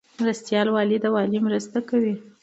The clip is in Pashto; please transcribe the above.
مرستیال والی د والی مرسته کوي